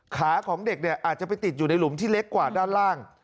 ขาของเด็กเนี่ยอาจจะไปติดอยู่ในหลุมที่เล็กกว่าด้านล่าง